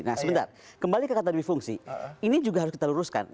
nah sebentar kembali ke kata dewi fungsi ini juga harus kita luruskan